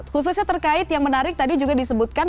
khususnya terkait yang menarik tadi juga disebutkan